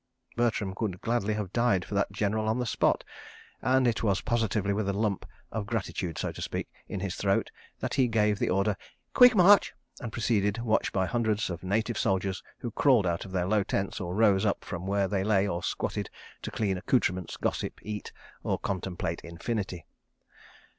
..." Bertram would gladly have died for that General on the spot, and it was positively with a lump (of gratitude, so to speak) in his throat that he gave the order "Quick march," and proceeded, watched by hundreds of native soldiers, who crawled out of their low tents or rose up from where they lay or squatted to clean accoutrements, gossip, eat, or contemplate Infinity.